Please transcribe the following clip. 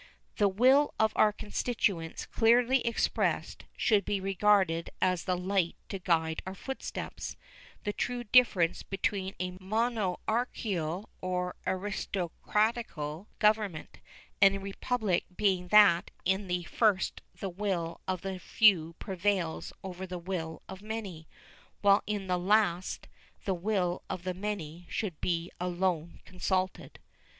The will of our constituents clearly expressed should be regarded as the light to guide our footsteps, the true difference between a monarchical or aristocratical government and a republic being that in the first the will of the few prevails over the will of the many, while in the last the will of the many should be alone consulted.